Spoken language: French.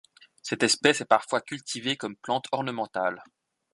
Cette espèce est parfois cultivée comme plante ornementale.